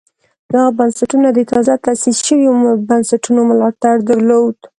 دغه بنسټونه د تازه تاسیس شویو بنسټونو ملاتړ درلود